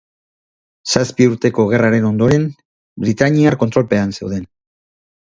Zazpi Urteko Gerraren ondoren, britainiar kontrolpean zeuden.